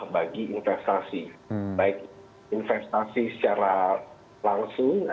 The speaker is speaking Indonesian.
bagi investasi baik investasi secara langsung